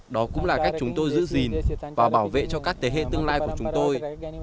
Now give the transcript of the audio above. đó cũng là cách chúng tôi giữ gìn và bảo vệ cho các thế hệ tương lai của chúng tôi